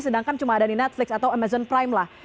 sedangkan cuma ada di netflix atau amazon prime lah